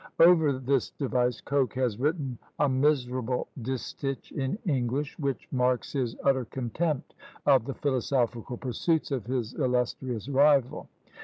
Over this device Coke has written a miserable distich in English, which marks his utter contempt of the philosophical pursuits of his illustrious rival.